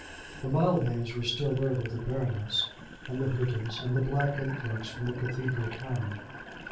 The Mildmays were still there with the Baroness, and the Houghtons, and the black influx from the cathedral town.